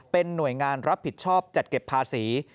เป็นหน่วยงานรับผิดชอบจัดเก็บภาษี